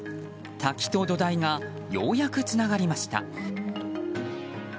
滝と土台がようやくつながりました。